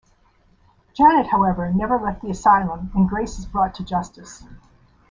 Janet, however, never left the asylum, and Grace is brought to justice.